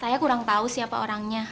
saya kurang tahu siapa orangnya